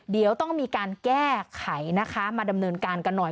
เดี๋ยวต้องมีการแก้ไขนะคะมาดำเนินการกันหน่อย